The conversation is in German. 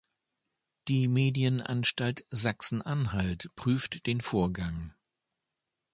Die Medienanstalt Sachsen-Anhalt prüft den Vorgang.